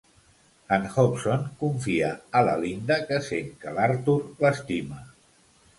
En Hobson confia a la Linda que sent que l'Arthur l'estima.